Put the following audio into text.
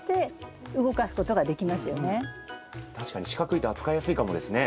確かに四角いと扱いやすいかもですね。